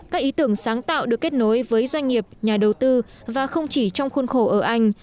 các ý tưởng sáng tạo được kết nối với doanh nghiệp nhà đầu tư và không chỉ trong khuôn khổ ở anh